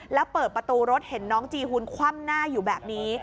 แล้วเปิดประตูรถเห็นน้องจีฮูนคว่ำหน้าอยู่แบบนี้